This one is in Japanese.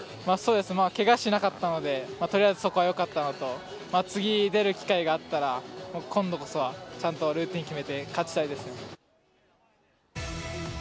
けがしなかったのでとりあえずそこはよかったのと次、出る機会があったら今度こそはちゃんとルーティン決めて勝ちたいです。